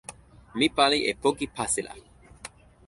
mi pali e poki pasila.